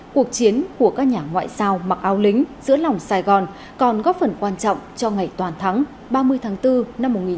cuộc chiến của các nhà ngoại giao mặc áo lính giữa lòng sài gòn còn góp phần quan trọng cho ngày toàn thắng ba mươi tháng bốn năm một nghìn chín trăm bảy mươi năm